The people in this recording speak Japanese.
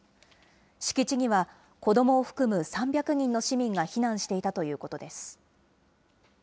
敷地には、子どもを含む３００人の市民が避難していたということです。